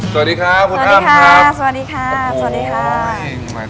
สวัสดีครับคุณท่านครับสวัสดีครับสวัสดีครับ